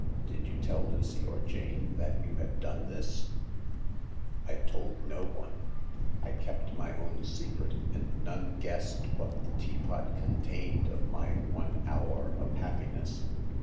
" Did you tell Lucy or Jane that you had done this ?"" I told no one. I kept my own secret, and none guessed what the teapot contained of my one hour of happiness.